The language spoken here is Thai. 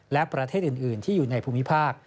และประเทศอื่นที่อยู่ในภูมิภาค